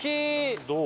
どう？